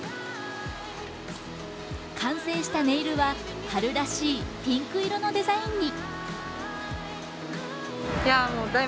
完成したネイルは春らしいピンク色のデザインに。